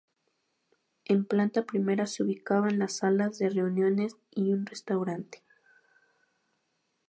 En planta primera se ubicaban las salas de reuniones y un restaurante.